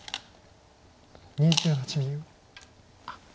２８秒。